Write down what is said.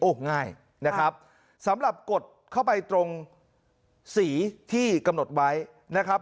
ง่ายนะครับสำหรับกดเข้าไปตรงสีที่กำหนดไว้นะครับ